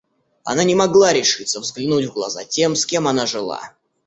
Она не могла решиться взглянуть в глаза тем, с кем она жила.